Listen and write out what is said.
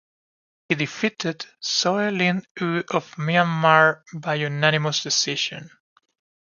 He defeated Soe Lin Oo of Myanmar by unanimous decision.